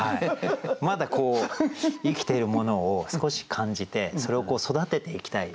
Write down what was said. まだ生きているものを少し感じてそれを育てていきたい。